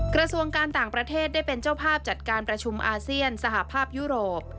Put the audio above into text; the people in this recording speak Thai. กระทรวงการต่างประเทศได้เป็นเจ้าภาพจัดการประชุมอาเซียนสหภาพยุโรป